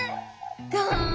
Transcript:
ガーン！